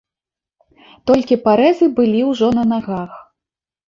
Толькі парэзы былі ўжо на нагах.